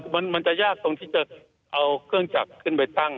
มันจะยากตรงที่จะเอาเครื่องจักรขึ้นไปตั้ง